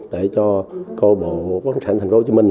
để cho câu lạc bộ bất động sản thành phố hồ chí minh